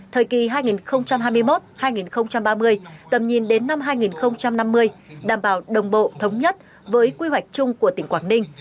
thời kỳ hai nghìn hai mươi một hai nghìn ba mươi tầm nhìn đến năm hai nghìn năm mươi đảm bảo đồng bộ thống nhất với quy hoạch chung của tỉnh quảng ninh